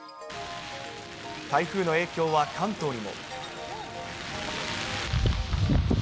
台風の影響は関東にも。